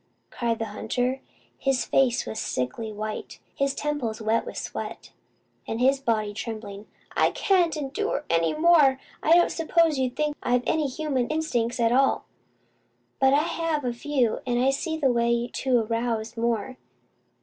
cried the hunter. His face was a sickly white, his temples wet with sweat, and his body trembling. "I can't endure any more. I don't suppose you think I've any human instincts at all; but I have a few, and I see the way to arouse more.